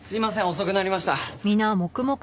遅くなりました。